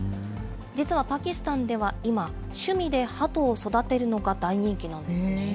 実はパキスタンでは今、趣味でハトを育てるのが大人気なんですよね。